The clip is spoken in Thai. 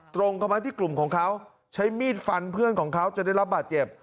ตรงเข้ามาที่กลุ่มของเขาใช้มีดฟันเพื่อนของเขาจนได้รับบาดเจ็บ